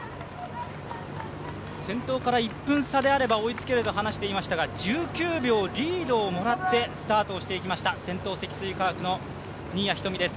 先頭から１分差であれば追いつけると話していましたが１９秒リードをもらってスタートをしていきました、先頭、積水化学の新谷仁美です。